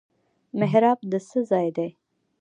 محراب د څه ځای دی؟